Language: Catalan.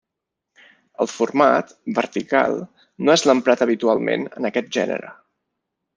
El format, vertical, no és l'emprat habitualment en aquest gènere.